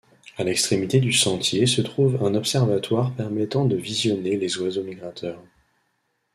A l'extrémité du sentier se trouve un observatoire permettant de visionner les oiseaux migrateurs.